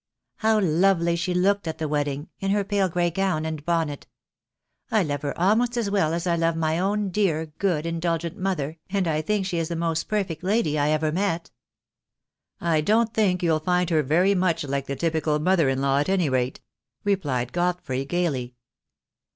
"How lovely she looked at the wedding, in her pale grey gown and bonnet. I love her almost as well as I love my own dear, good, indulgent mother, and I think she is the most perfect lady I ever met." "I don't think you'll find her very much like the typical mother in law, at any rate," replied Godfrey, gaily.